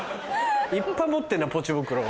いっぱい持ってんなポチ袋を。